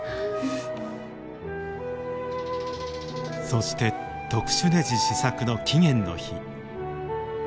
そして特殊ねじ試作の期限の日。